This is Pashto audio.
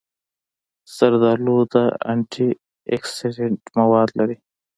زردالو د انټي اکسېډنټ مواد لري.